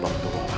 tombak tulung aku